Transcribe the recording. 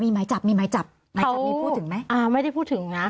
มีไม้จับมีไม้จับเขามีพูดถึงไหมอ่าไม่ได้พูดถึงนะ